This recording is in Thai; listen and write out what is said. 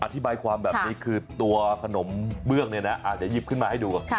อธิบายความแบบนี้คือตัวขนมเบื้องเนี่ยนะเดี๋ยวหยิบขึ้นมาให้ดู